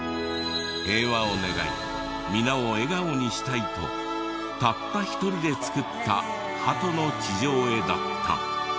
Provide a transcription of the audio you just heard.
平和を願い皆を笑顔にしたいとたった１人で作ったハトの地上絵だった。